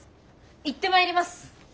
行ってまいります。